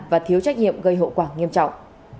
và thiếu trách nhiệm gây hậu quả nghiêm trọng